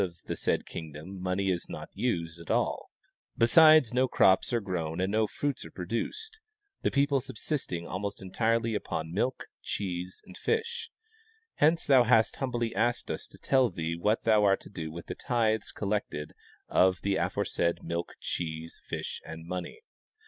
211 of the said kingdom money is not used at all, besides no crops are grown and no fruits are produced, the people subsisting almost entirely upon milk, cheese, and fish ; hence thou hast humbly asked us to tell thee what thou art to do with the tithes collected of the aforesaid milk, cheese, fish, and money.